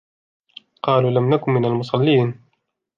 قالوا لم نك من المصلين